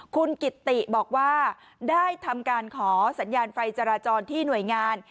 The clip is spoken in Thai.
คุณกิตติบอกว่าได้ทำการขอสัญญาณไฟจราจรที่หน่วยงาน